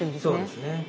そうですね。